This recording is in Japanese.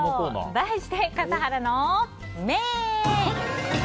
題して、笠原の眼！